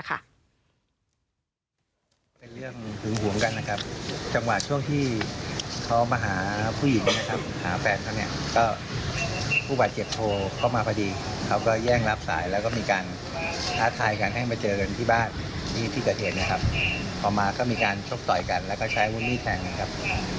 คือเขามีการเตรียมการมาหรือเปล่าครับ